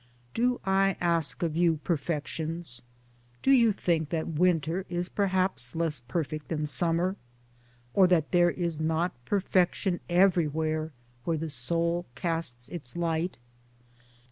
Do I ask of you perfections ? do you think that Winter is perhaps less perfect than Summer? or that there is not perfection everywhere, where the soul casts its light?